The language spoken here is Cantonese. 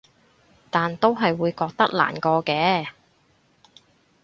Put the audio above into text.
但都係會覺得難過嘅